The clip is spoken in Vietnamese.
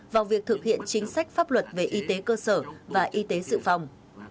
vào việc thực hiện chính sách pháp luật về y tế cơ sở và y tế dự phòng